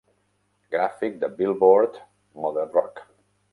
Gràfic de Billboard Modern Rock.